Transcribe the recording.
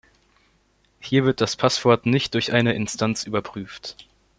Hier wird das Passwort nicht durch eine Instanz überprüft.